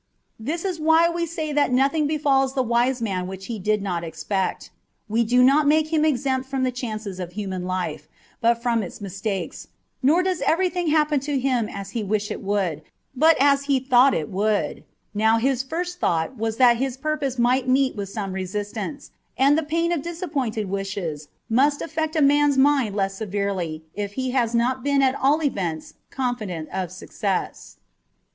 This is why we say that nothing befals the wise man which he did not expect — we do not make him exempt from the chances of human life, but from its mistakes, nor does everything happen to him as he wished it would, but as he thought it would : now his first thought was that his purpose might meet with some resistance, and the pain of disappointed wishes must affect a man's mind less severely if he has not been at all events confident of success.